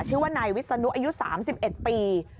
ชื่อว่านายวิศนุอายุ๓๑ปี